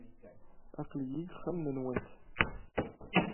Aql-iyi deg uxxam-nwent.